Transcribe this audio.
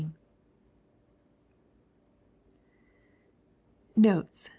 Notes.